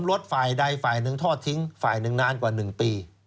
รถฝ่ายใดฝ่ายหนึ่งทอดทิ้งฝ่ายหนึ่งนานกว่า๑ปี